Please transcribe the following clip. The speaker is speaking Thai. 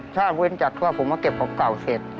ถ้าเว้นจัดว่าผมมาเก็บของเก่าเสร็จ